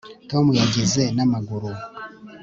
Tom yageze namaguru